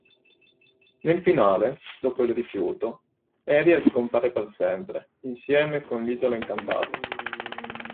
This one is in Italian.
Nel finale, dopo il rifiuto, Ariel scompare per sempre, insieme con l'isola incantata.